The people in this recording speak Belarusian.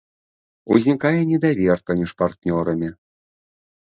Узнікае недавер паміж партнёрамі.